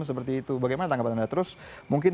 seperti itu bagaimana tanggapan anda terus mungkin